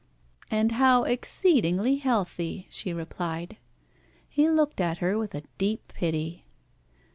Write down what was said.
"And how exceedingly healthy!" she replied. He looked at her with a deep pity.